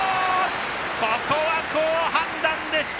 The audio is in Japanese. ここは好判断でした！